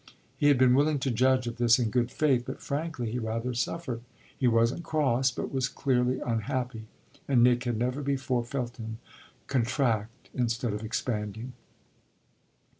He had been willing to judge of this in good faith; but frankly he rather suffered. He wasn't cross, but was clearly unhappy, and Nick had never before felt him contract instead of expanding.